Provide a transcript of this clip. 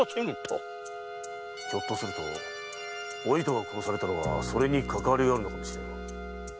ひょっとするとお糸が殺されたのはそれにかかわりがあるのかもしれん。